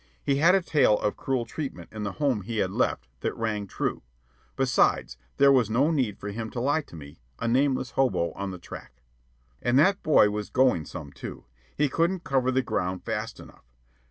He had a tale of cruel treatment in the home he had left that rang true; besides, there was no need for him to lie to me, a nameless hobo on the track. And that boy was going some, too. He couldn't cover the ground fast enough.